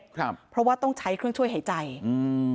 ครับเพราะว่าต้องใช้เครื่องช่วยหายใจอืม